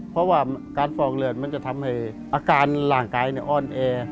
เพราะว่าการฟอกเลือดมันจะทำให้อาการร่างกายอ้อนแอ